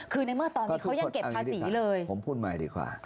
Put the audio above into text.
คือในเมื่อตอนนี้เขายังเก็บภาษีเลยผมพูดใหม่ดีกว่า